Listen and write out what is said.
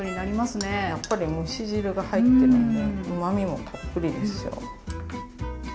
やっぱり蒸し汁が入ってるんでうまみもたっぷりですよ。